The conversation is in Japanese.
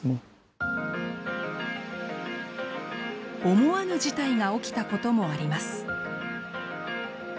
思わぬ事態が起きたこともあります。